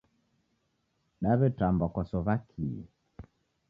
Dawetambwa kwasowa kii